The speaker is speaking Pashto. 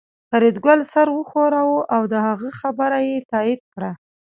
فریدګل سر وښوراوه او د هغه خبره یې تایید کړه